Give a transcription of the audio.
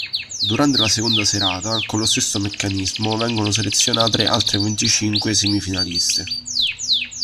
Durante la seconda serata con lo stesso meccanismo vengono selezionate altre venticinque semifinaliste.